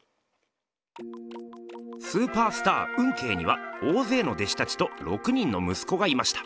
スーパースター運慶には大ぜいの弟子たちと６人の息子がいました。